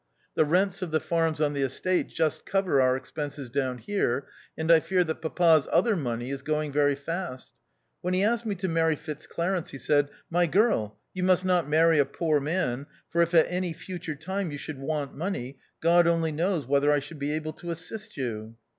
The rents of the farms on the estate just cover our expenses down here, and I fear that papa's other money is going very fast. When he asked me to marry Fitzclarence, he said, My girl, you must not marry a poor man, for if at any future time you should want money, God only knows whether I should be able to assist you."